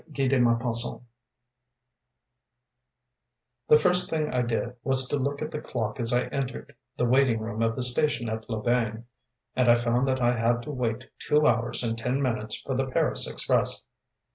MADAME BAPTISTE The first thing I did was to look at the clock as I entered the waiting room of the station at Loubain, and I found that I had to wait two hours and ten minutes for the Paris express.